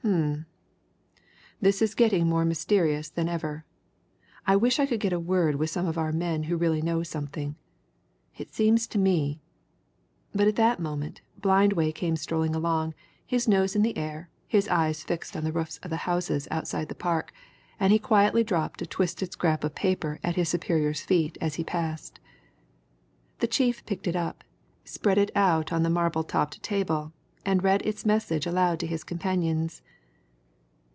"Um! this is getting more mysterious than ever. I wish I could get a word with some of our men who really know something! It seems to me " But at that moment Blindway came strolling along, his nose in the air, his eyes fixed on the roofs of the houses outside the park, and he quietly dropped a twisted scrap of paper at his superior's feet as he passed. The chief picked it up, spread it out on the marble topped table, and read its message aloud to his companions.